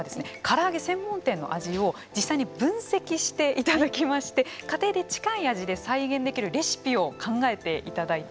から揚げ専門店の味を実際に分析していただきまして家庭で近い味で再現できるレシピを考えていただいたんです。